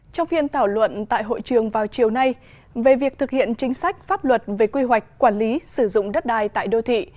trong phiên thảo luận tại hội trường vào chiều nay về việc thực hiện chính sách pháp luật về quy hoạch quản lý sử dụng đất đai tại đô thị